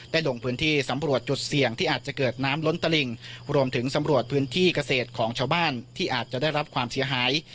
ลงพื้นที่สำรวจจุดเสี่ยงที่อาจจะเกิดน้ำล้นตลิ่งรวมถึงสำรวจพื้นที่เกษตรของชาวบ้านที่อาจจะได้รับความเสียหาย